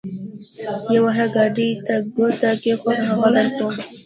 پر هر ګاډي چې تا ګوته کېښوده؛ هغه درکوم.